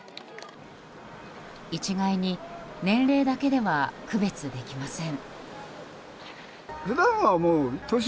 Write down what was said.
一概に年齢だけでは区別できません。